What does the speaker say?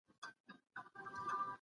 خپل هدف په نښه کړئ.